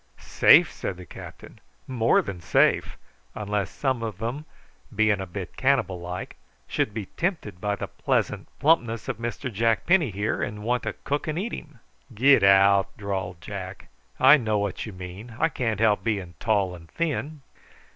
"Safe!" said the captain; "more than safe, unless some of 'em, being a bit cannibal like, should be tempted by the pleasant plumpness of Mr Jack Penny here, and want to cook and eat him." "Get out!" drawled Jack. "I know what you mean. I can't help being tall and thin."